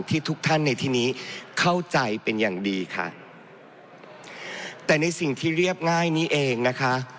ทุกท่านในที่นี้เข้าใจเป็นอย่างดีค่ะแต่ในสิ่งที่เรียบง่ายนี้เองนะคะ